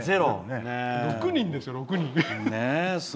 ６人ですよ、６人。